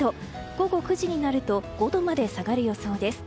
午後９時になると５度まで下がる予想です。